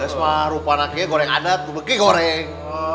terus mah rupanya goreng adat tapi ini goreng